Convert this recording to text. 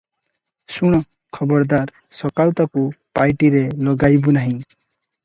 ଶୁଣ, ଖବରଦାର! ସକାଳୁ ତାକୁ ପାଇଟିରେ ଲଗାଇବୁ ନାହିଁ ।